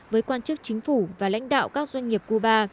với quan chức chính phủ và lãnh đạo các doanh nghiệp cuba